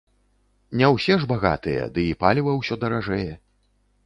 Не ўсе ж багатыя, ды й паліва ўсё даражэе.